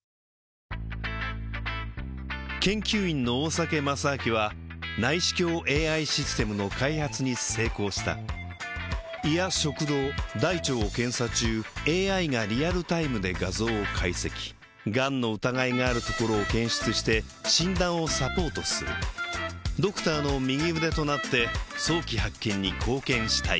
研究員の大酒正明は内視鏡ＡＩシステムの開発に成功した胃や食道大腸を検査中ＡＩがリアルタイムで画像を解析がんの疑いがあるところを検出して診断をサポートするドクターの右腕となって早期発見に貢献したい